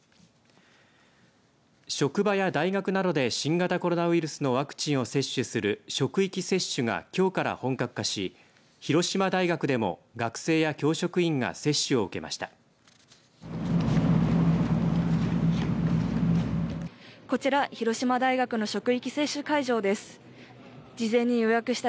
職場や大学などで新型コロナウイルスのワクチンを接種する職域接種がきょうから本格化し広島大学でも学生や教職員が接種を受けました。